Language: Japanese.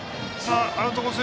アウトコース